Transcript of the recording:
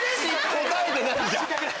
答えてないじゃん！